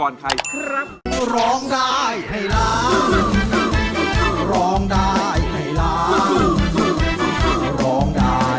ร้องได้ให้ร้าง